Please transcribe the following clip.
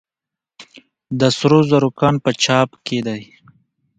د سرو زرو کان په چاه اب کې دی